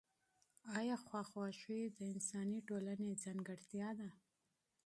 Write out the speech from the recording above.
آیا خواخوږي د انساني ټولنې ځانګړنه ده؟